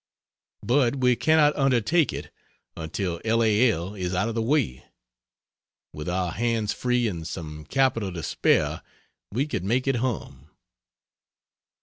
But we cannot undertake it until L. A. L, is out of the way. With our hands free and some capital to spare, we could make it hum.